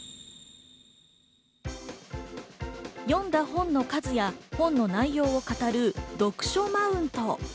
読んだ本の数や内容を語る読書マウント。